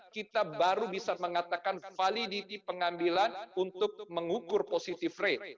kita baru bisa mengatakan validity pengambilan untuk mengukur positive rate